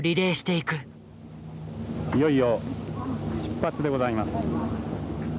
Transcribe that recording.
「いよいよ出発でございます」。